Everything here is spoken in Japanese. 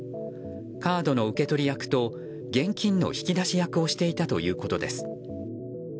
カードの受け取り役と現金の引き出し役をしていたということです。